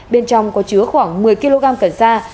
bên trong có chứa khoảng một mươi kg cần sa